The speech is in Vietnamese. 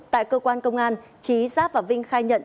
tại cơ quan công an trí giáp và vinh khai nhận